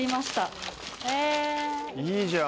いいじゃん！